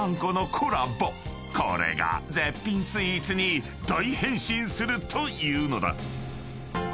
［これが絶品スイーツに大変身するというのだ］